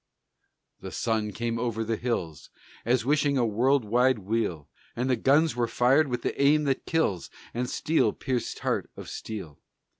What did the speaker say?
The sun came over the hills As wishing a world wide weal. And the guns were fired with the aim that kills, And steel pierced the heart of steel.